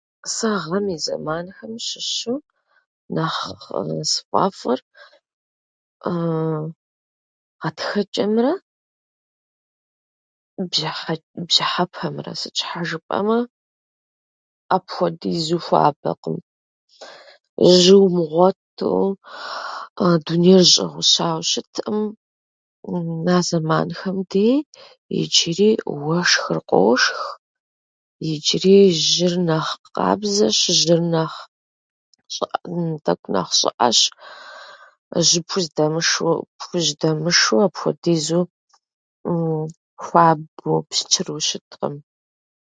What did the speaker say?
Сэ гъэм и зэманхэм щыщу нэхъ сфӏэфӏыр гъатхэчӏэмрэ бжьыхьэ- бжьыхьэпэмрэ. Сыт щхьа жыпӏэмэ, апхуэдизу хуабэкъым. Жьы умыгъуэту, дунейр зыщӏэгъущауэ щытӏым. А зэманхэм дей иджыри уэшхыр къошх, иджыри жьыр нэхъ къабзэщ, жьыр нэхъ щыӏ- тӏэкӏу нэхъ щӏыӏэщ. Жьы пхужьдэмышу- пхужьдэмышу, ахуэдизу хуабэу пщтыру щыткъым.